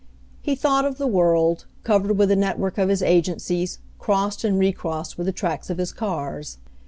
He thought of the world, covered with the network of his agencies, crossed and recrossed with the tracks of his cars.